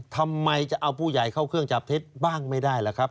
ทำไมจะเอาผู้ใหญ่เข้าเครื่องจับเท็จบ้างไม่ได้ล่ะครับ